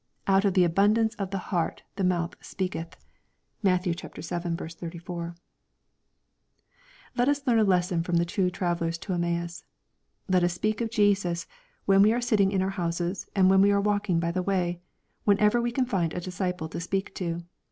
" Out of the abun dance of the heart the mouth speaketh." (Matt. xii. 34.) Let us learn a lesson from the two travellers to Em maus. Let us speak of Jesus, when we are sitting in our houses and when we are walking by the way, when ever we can find a disciple to speak to.